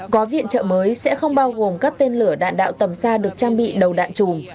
gói viện trợ mới sẽ không bao gồm các tên lửa đạn đạo tầm xa được trang bị đầu đạn chùm